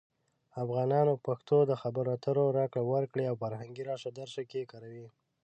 افغانان پښتو د خبرو اترو، راکړې ورکړې، او فرهنګي راشه درشه کې کاروي.